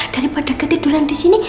daripada ketiduran disini